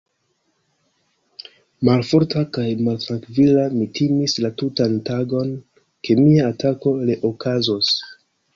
Malforta kaj maltrankvila, mi timis la tutan tagon, ke mia atako reokazos.